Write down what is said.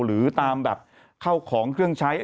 หรือตามแบบเข้าของเครื่องใช้